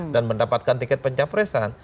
dan mendapatkan tiket pencapresan